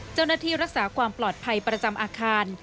เจ้าหน้าที่รักษาความปลอดภัยประจำอาคาร